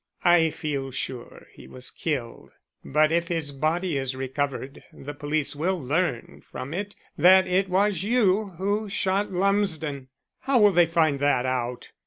"I feel sure he was killed. But if his body is recovered the police will learn from it that it was you who shot Lumsden." "How will they find that out?"